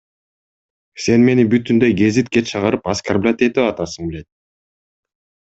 Сен мени бүтүндөй гезитке чыгарып оскорблять этип атасың, блядь.